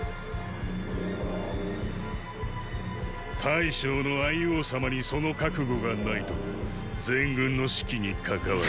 大将の王様にその覚悟がないと全軍の士気に関わ。